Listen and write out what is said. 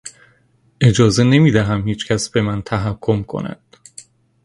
اجازه نمیدهم هیچکس به من تحکم کند!